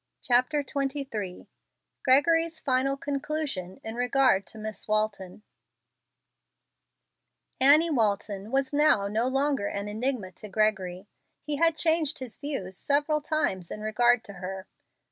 CHAPTER XXIII GREGORY'S FINAL CONCLUSION IN REGARD TO MISS WALTON Annie Walton was now no longer an enigma to Gregory. He had changed his views several times in regard to her.